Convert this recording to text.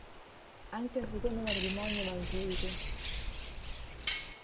Anche il secondo matrimonio va in crisi.